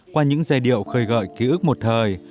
qua những giai điệu khơi gợi ký ức một thời